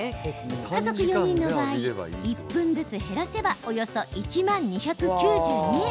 家族４人の場合１分ずつ減らせばおよそ１万２９２円。